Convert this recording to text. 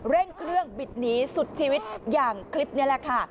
เร่งเครื่องบิดหนีสุดชีวิตอย่างคลิปนี้แหละค่ะ